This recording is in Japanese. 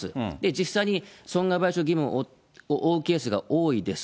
実際に損害賠償義務を負うケースが多いです。